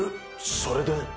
それで？